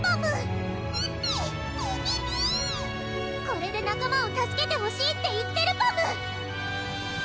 これで仲間を助けてほしいって言ってるパム！